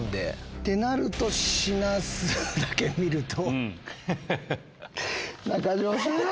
ってなると品数だけ見ると。